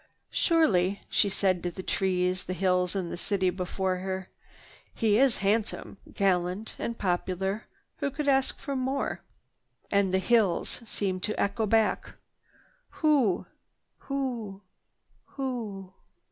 "Surely," she said to the trees, the hills and the city before her, "he is handsome, gallant and popular. Who could ask for more?" And the hills seemed to echo back, "Who? Who?